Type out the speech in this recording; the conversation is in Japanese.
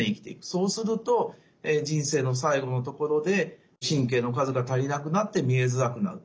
そうすると人生の最後のところで神経の数が足りなくなって見えづらくなる。